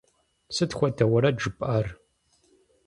Сыт хуэдэ уэрэд жыпӀар?